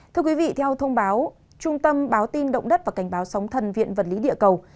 thưa quý vị theo thông báo trung tâm báo tin động đất và cảnh báo sóng thần viện vật lý địa cầu